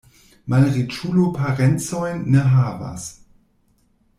Malriĉulo parencojn ne havas.